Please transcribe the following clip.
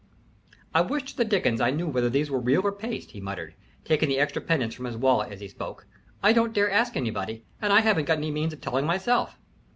"I wish to the dickens I knew whether these were real or paste!" he muttered, taking the extra pendants from his wallet as he spoke. "I don't dare ask anybody, and I haven't got any means of telling myself."